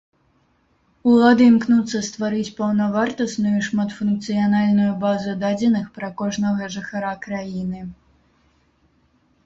Улады імкнуцца стварыць паўнавартасную і шматфункцыянальную базу дадзеных пра кожнага жыхара краіны.